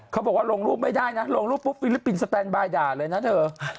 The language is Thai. เขาบอกว่าลงรูปไม่ได้นะลงรูปปุ๊บฟิลิปปินสแตนบายด่าเลยนะเธอ